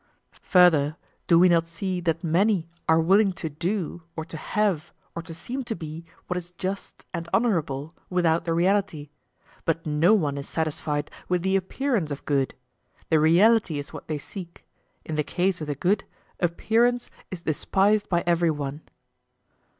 Further, do we not see that many are willing to do or to have or to seem to be what is just and honourable without the reality; but no one is satisfied with the appearance of good—the reality is what they seek; in the case of the good, appearance is despised by every one.